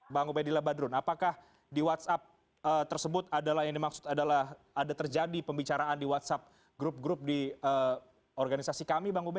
bang ubedillah badrun apakah di whatsapp tersebut adalah yang dimaksud adalah ada terjadi pembicaraan di whatsapp grup grup di organisasi kami bang ube